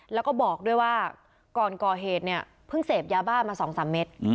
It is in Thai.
แล้วก็บอกด้วยว่าก่อนก่อเหตุเนี่ยเพิ่งเสพยาบ้ามา๒๓เมตร